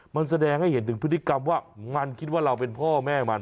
มันแสดงให้เห็นถึงพฤติกรรมว่ามันคิดว่าเราเป็นพ่อแม่มัน